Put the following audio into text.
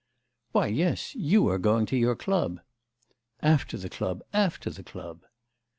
'Why yes, you are going to your club.' 'After the club... after the club.